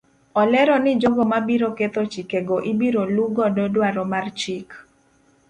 Olero ni jogo mabiro ketho chikego ibiro luu godo dwaro mar chik.